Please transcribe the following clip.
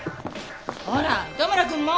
ほら糸村くんも！